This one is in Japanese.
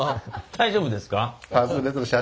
大丈夫ですか？